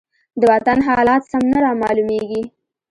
د وطن حالات سم نه رامالومېږي.